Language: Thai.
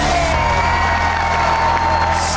ถูก